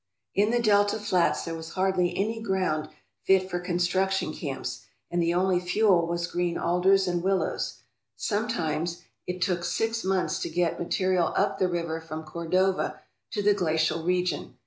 In the delta flats there was hardly any ground fit for construction camps and the only fuel was green alders and willows. Sometimes it took six 299 ALASKA OUR NORTHERN WONDERLAND months to get material up the river from Cordova to the glacial region.